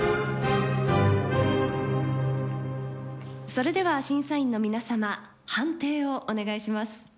それでは審査員の皆さま判定をお願いします。